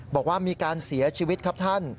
บอกว่ามีการเสียชีวิตครับท่าน